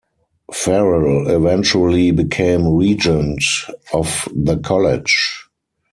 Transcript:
Farel eventually became regent of the college.